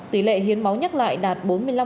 tỷ lệ hiến máu nhắc lại đạt bốn mươi năm